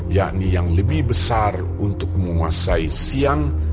yakni yang lebih besar untuk menguasai siang